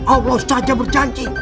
allah saja berjanji